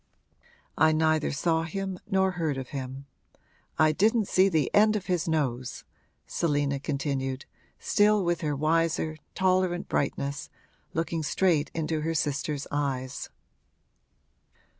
I neither saw him nor heard of him. I didn't see the end of his nose!' Selina continued, still with her wiser, tolerant brightness, looking straight into her sister's eyes.